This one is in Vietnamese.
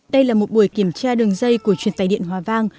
đây là một buổi kiểm tra đường dây của truyền tài điện hòa vang